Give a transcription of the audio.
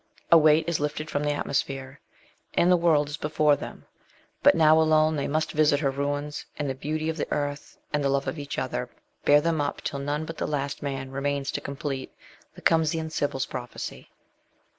A weight is lifted from the atmo sphere, and the world is before them ; but now alone they must visit her ruins ; and the beauty of the earth and the love of each other, bear them up till none but the last man remains to complete the Cumaean Sibyl's prophecy.